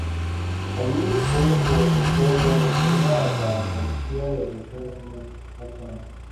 Allí fue profesor de Anatomía Patológica de la Universidad Nacional Autónoma.